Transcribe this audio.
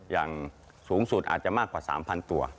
อย่างสูงสุดอาจจะมากกว่า๓๐๐ตัว